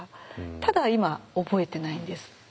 ただ今覚えてないんです。